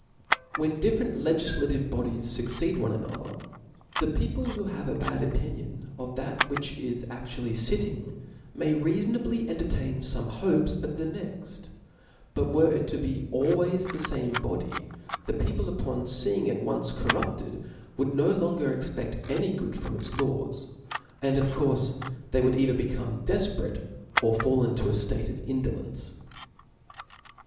When different legiflative bodies fucceed one another, the people who have a bad opinion of that which is aftually fitting, may reafonably entertain fome hopes of the next : but were it to be always the fame body, the people upon feeing it once corrupted, would no longer ex pert any good from its laws ; and of courfe they would either become deiperate or fall into a ftate pf indolence.